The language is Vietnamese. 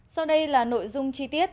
sau đây là nội dung chi tiết